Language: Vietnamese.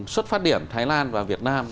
xuất phát điểm thái lan và việt nam